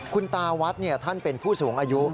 คุณตาวัดท่านเป็นผู้สูงอายุ